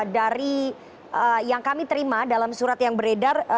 dari yang kami terima dalam surat yang beredar